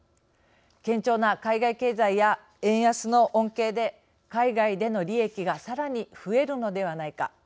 堅調な海外経済や円安の恩恵で海外での利益がさらに増えるのではないか。